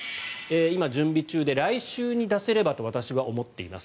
今、準備中で来週に出せればと私は思っています。